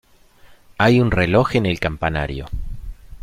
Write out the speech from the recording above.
Hay un reloj en el campanario.